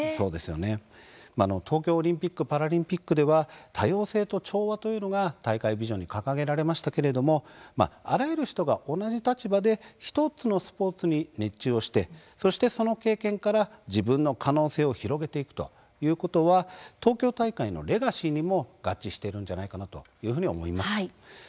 東京オリンピック・パラリンピックでは「多様性と調和」というのが大会ビジョンに掲げられましたけれどもあらゆる人が対等な立場で１つのスポーツに熱中してその経験から自分の可能性を広げていくということは東京大会のレガシーにも合致しているのではないかと思います。